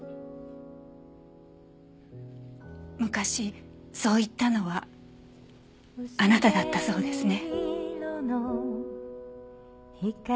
昔そう言ったのはあなただったそうですね。